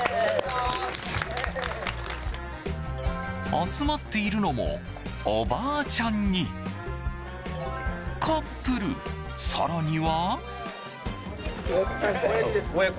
集まっているのもおばあちゃんに、カップル更には。